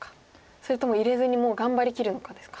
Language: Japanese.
それとも入れずにもう頑張りきるのかですか。